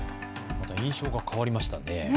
印象が変わりましたね。